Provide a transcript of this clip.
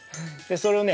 それをね